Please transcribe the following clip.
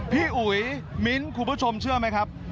อุ๋ยมิ้นท์คุณผู้ชมเชื่อไหมครับ